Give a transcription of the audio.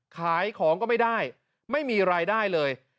ขายของก็ไม่ได้ไม่มีรายได้เลย